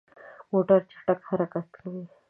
موټر چټک حرکت کوي.